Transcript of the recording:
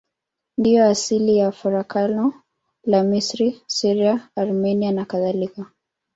Ndiyo asili ya farakano la Misri, Syria, Armenia nakadhalika.